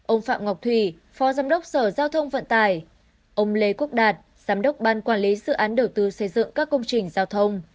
ông phạm ngọc thùy phó giám đốc sở giao thông vận tải ông lê quốc đạt giám đốc ban quản lý dự án đầu tư xây dựng các công trình giao thông